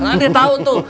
nah dia tau tuh